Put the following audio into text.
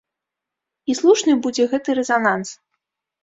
І слушны будзе гэты рэзананс.